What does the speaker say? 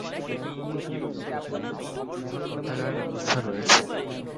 স্নাতকোত্তর শিক্ষার্থীদের জন্য পৃথক গ্রন্থাগারের ব্যবস্থা রয়েছে।